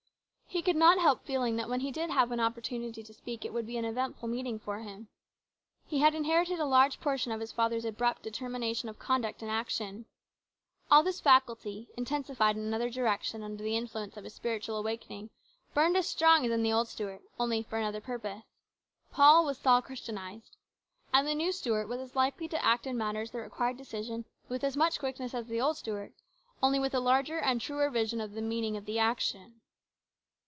He could not help feeling that when he did have an oppor tunity to speak, it would be an eventful meeting for him. He had inherited a large portion of his father's abrupt determination of conduct and action. All this faculty, intensified in another direction, under the influence of his spiritual awakening, burned as strong as in the old Stuart, only for another purpose. Paul was Saul Christianised. And the new Stuart was as likely to act in matters that required' decision with as COMPLICATIONS. 199 much quickness as the old Stuart, only with a larger and truer vision of the meaning of the action.